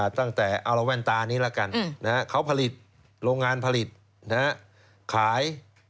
ตั้งแต่เอาละแว่นตานี้ละกันเขาผลิตโรงงานผลิตขาย